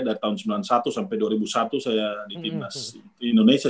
dari tahun sembilan puluh satu sampai dua ribu satu saya di timnas indonesia